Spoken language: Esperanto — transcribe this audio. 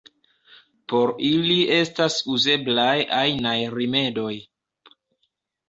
Por ili estas uzeblaj ajnaj rimedoj.